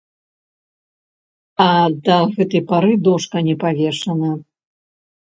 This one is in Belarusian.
А да гэтай пары дошка не павешана.